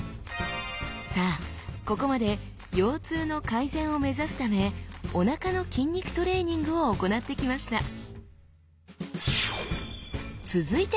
さあここまで腰痛の改善を目指すためおなかの筋肉トレーニングを行ってきましたえ！